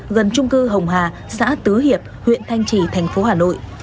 gần trung cư hồng hà xã tứ hiệp huyện thanh trì tp hà nội